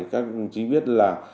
các chính biết là